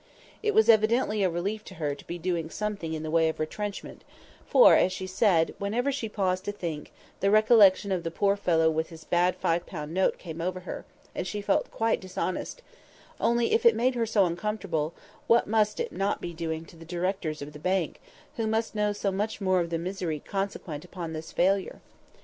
It was evidently a relief to her to be doing something in the way of retrenchment, for, as she said, whenever she paused to think, the recollection of the poor fellow with his bad five pound note came over her, and she felt quite dishonest; only if it made her so uncomfortable, what must it not be doing to the directors of the bank, who must know so much more of the misery consequent upon this failure?